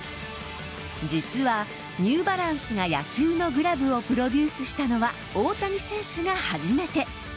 実はニューバランスが野球のグラブをプロデュースしたのは大谷選手が初めて。